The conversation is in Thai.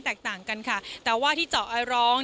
แตกต่างกันค่ะแต่ว่าที่เจาะไอร้อง